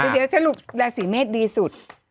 เดี๋ยวสรุปราศีเมษดีสุด